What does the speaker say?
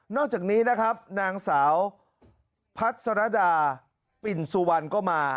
อกจากนี้นะครับนางสาวพัศรดาปิ่นสุวรรณก็มา